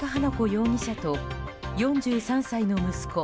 容疑者と４３歳の息子